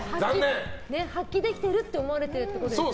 発揮できてるって思われてることですよね。